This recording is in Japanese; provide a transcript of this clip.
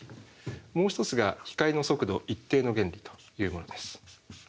もう一つが「光の速度一定の原理」というものです。